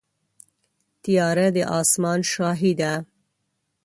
طیاره د اسمان شاهي ده.